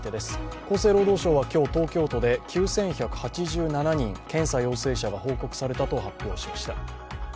厚生労働省は今日、東京都で９１８７人、検査陽性者が報告されたと発表しました。